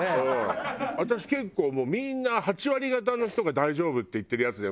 私結構もうみんな８割方の人が大丈夫って言ってるやつでも。